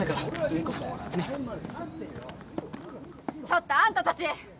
ちょっとあんたたち！